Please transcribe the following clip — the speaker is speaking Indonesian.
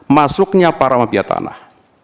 masuknya para mafia tanah